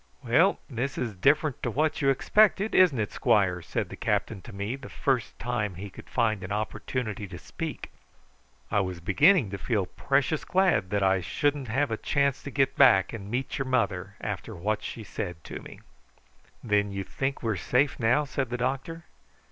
"Well, this is different to what you expected; isn't it, squire?" said the captain to me the first time he could find an opportunity to speak. "I was beginning to feel precious glad that I shouldn't have a chance to get back and meet your mother after what she said to me." "Then you think we are safe now?" said the doctor.